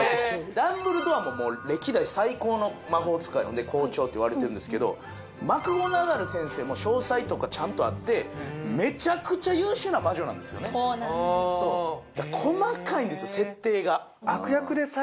ダンブルドアももう歴代最高の魔法使い校長といわれてるんですけどマクゴナガル先生も詳細とかちゃんとあってメチャクチャ優秀な魔女なんですよねそうなんです